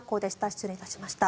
失礼いたしました。